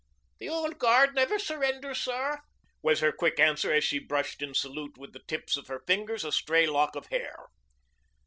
"The old guard never surrenders, sir," was her quick answer as she brushed in salute with the tips of her fingers a stray lock of hair.